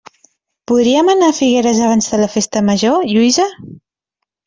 Podríem anar a Figueres abans de la festa major, Lluïsa?